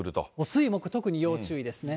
水、木、特に要注意ですね。